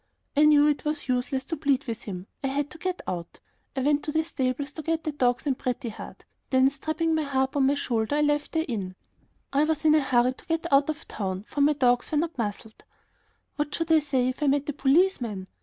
I knew it was useless to plead with him. I had to "get out." I went to the stables to get the dogs and Pretty Heart, then strapping my harp on my shoulder I left the inn. I was in a hurry to get out of town, for my dogs were not muzzled. What should I say if I met a policeman?